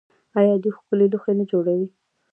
آیا دوی ښکلي لوښي نه جوړوي؟